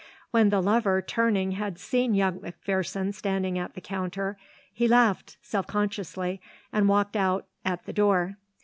When the lover, turning, had seen young McPherson standing at the counter, he laughed self consciously and walked out at the door.